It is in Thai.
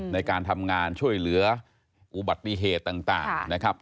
ในการทำงานช่วยเหลืออุบัติเหตุต่างนะครับ